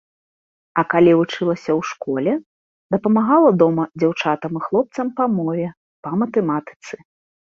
А калі вучылася ў школе, дапамагала дома дзяўчатам і хлопцам па мове, па матэматыцы.